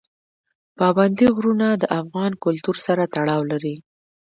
پابندی غرونه د افغان کلتور سره تړاو لري.